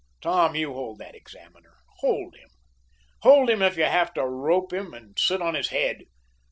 Tom, you hold that examiner. Hold him. Hold him if you have to rope him and sit on his head.